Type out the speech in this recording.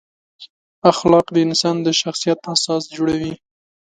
اخلاق د انسان د شخصیت اساس جوړوي.